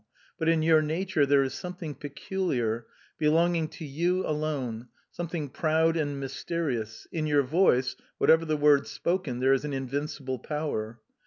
but in your nature there is something peculiar belonging to you alone, something proud and mysterious; in your voice, whatever the words spoken, there is an invincible power.